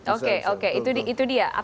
oke oke itu dia